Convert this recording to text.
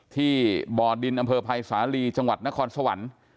ที่บ่อดินอำเภอภัยสาลีจังหวัดนครสวรรค์